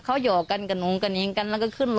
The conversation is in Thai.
เค้าอยู่กันกันหนังกันเองกัน